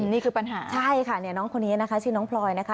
นี่คือปัญหาใช่ค่ะเนี่ยน้องคนนี้นะคะชื่อน้องพลอยนะคะ